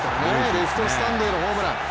レフトスタンドへのホームラン